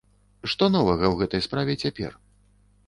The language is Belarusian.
Што новага ў гэтай справе цяпер?